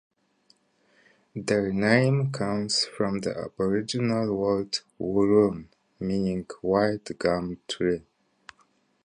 Their name comes from the Aboriginal word "Wurrun" meaning "white gum tree".